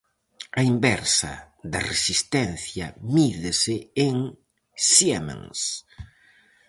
A inversa da resistencia mídese en siemens.